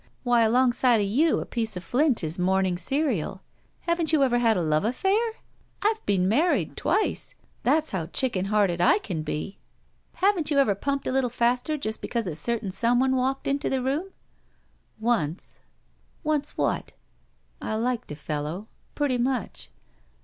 Why, alongside of you a piece of flint is morning cereal. Haven't you ever had a love affair? I've been married twice — ^that's how chicken hearted 1 can be. Haven't you ever 6 75 BACK PAY pumped a little faster just because a certain some one walked into the toom?" "Once." "Once what?" "I liked a fellow. Pretty much.